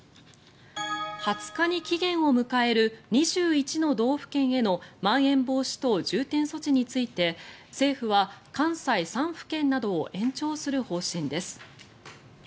２０日に期限を迎える２１の道府県へのまん延防止等重点措置について政府は関西３府県などを延長する方針です。